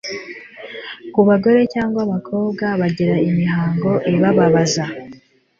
Ku bagore cyangwa abakobwa bagira imihango ibababaza,